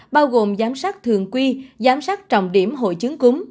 bao gồm giám sát thường quy giám sát trọng điểm hội chứng cúm